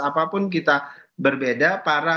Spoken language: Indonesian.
apapun kita berbeda para